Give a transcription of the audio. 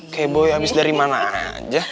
kayak boi abis dari mana aja